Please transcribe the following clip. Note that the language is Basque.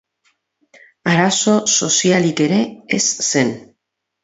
Arazo sozialik ere ez zen.